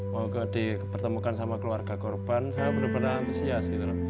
moga dipertemukan sama keluarga korban saya benar benar antusias